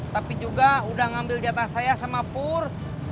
tapi juga udah ngambil jatah saya sama pur